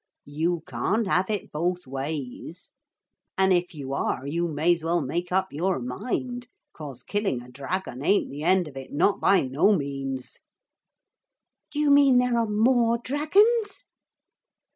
You can't 'ave it both ways. An' if you are, you may's well make up your mind, cause killing a dragon ain't the end of it, not by no means.' 'Do you mean there are more dragons?'